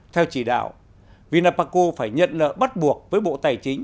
theo chỉ đạo vinapaco phải nhận nợ bắt buộc với bộ tài chính